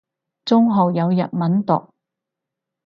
中學有日文讀